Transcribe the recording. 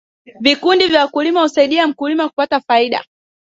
vikundi vya wakulima husaidia mkulima kupata faida